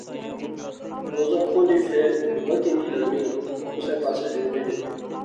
روزہ کھولی فیر ہمت ای نی لغنی کسے پاسے جلنے نی